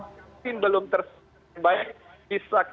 kalau vaksin belum terbaik